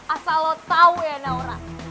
asal lo tau ya naura